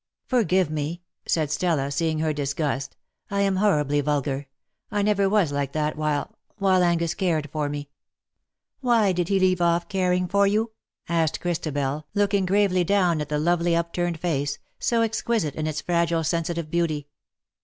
« Forgive me/^ said Stella, seeing her disgust. '^ I am horribly vulgar. I never was like that while — while Angus cared for me.^^ " Why did he leave off caring for you ?" asked Christabel, looking gravely down at the lovely up turned face — so exquisite in its fragile sensitive beauty.